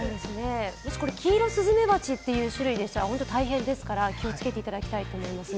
キイロスズメバチって種類でしたら本当に大変ですから、気をつけていただきたいと思います。